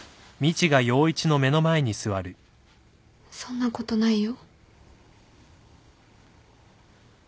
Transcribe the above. そんなことないよ。